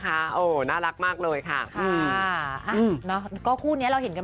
ก็ไปอยู่นู้นแล้วค่ะ